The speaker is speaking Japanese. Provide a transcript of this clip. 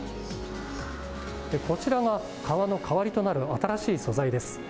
こちらが皮の代わりとなる新しい素材です。